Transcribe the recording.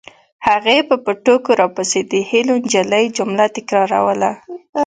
هغې به په ټوکو راپسې د هیلو نجلۍ جمله تکراروله